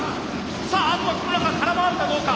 さああとは空回るかどうか。